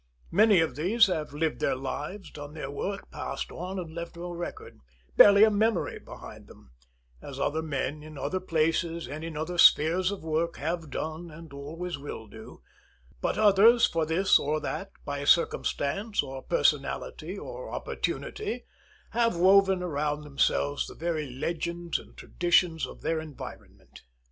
Many of these have lived their lives, done their work, passed on, and left no record, barely a memory, behind them, as other men in other places and in other spheres of work have done and always will do; but others, for this or that, by circumstance, or personality, or opportunity, have woven around themselves the very legends and traditions of their environment.